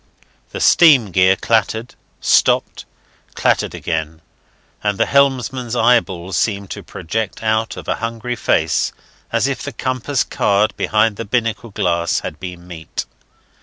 The steam gear clattered, stopped, clattered again; and the helmsman's eyeballs seemed to project out of a hungry face as if the compass card behind the binnacle glass had been meat.